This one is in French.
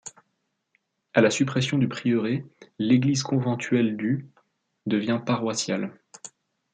À la suppression du prieuré, l'église conventuelle du devient paroissiale.